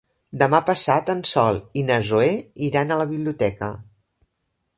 Demà passat en Sol i na Zoè iran a la biblioteca.